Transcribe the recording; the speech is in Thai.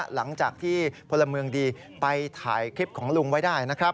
หลังจากที่พลเมืองดีไปถ่ายคลิปของลุงไว้ได้นะครับ